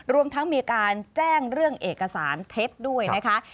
รวมทั้งมีการแจ้งเรื่องเอกสารเท็จด้วยนะคะ